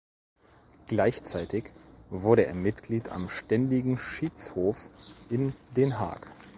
Gleichzeitig wurde er Mitglied am Ständigen Schiedshof in Den Haag.